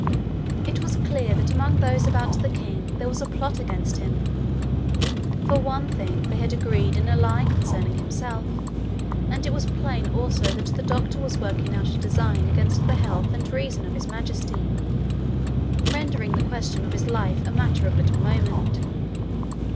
It was clear that among those about the king there was a plot against him: for one thing, they had agreed in a lie concerning himself; and it was plain also that the doctor was working out a design against the health and reason of His Majesty, rendering the question of his life a matter of little moment.